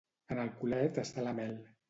En el culet està la mel.